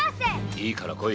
いいから来い。